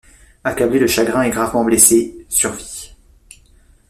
Accablé de chagrin et gravement blessé, survit.